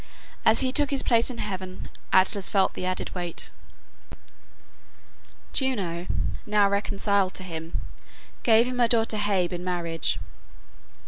As he took his place in heaven, Atlas felt the added weight. Juno, now reconciled to him, gave him her daughter Hebe in marriage.